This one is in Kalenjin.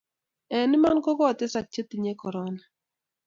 eng iman kokotesak chetinye korona